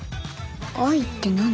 愛って何？